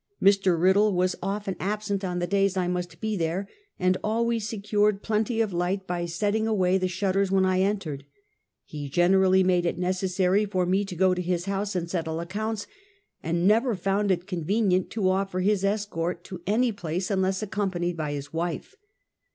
Mr. Riddle was often absent on the days I must be there, and always secured plenty of light by setting away the shutters when I entered. He gener ally made it necessary for me to go to his house and settle accounts, and never found it convenient to oifer his escort to any place unless accompanied by his wife.